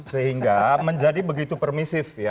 sehingga menjadi begitu permisif